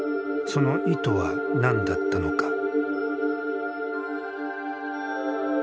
その意図は何だったのか。